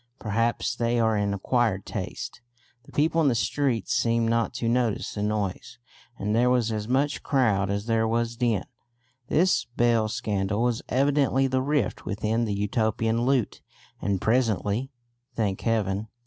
Perhaps they are an acquired taste; the people in the streets seemed not to notice the noise, and there was as much crowd as there was din. This bell scandal was evidently the rift within the Utopian lute; and presently, thank heaven!